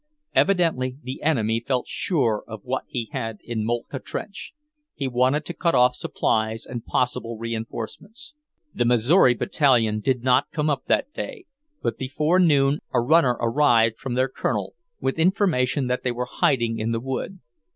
Evidently the enemy felt sure of what he had in Moltke trench; he wanted to cut off supplies and possible reinforcements. The Missouri battalion did not come up that day, but before noon a runner arrived from their Colonel, with information that they were hiding in the wood.